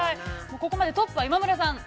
ここまでトップは、今村さん。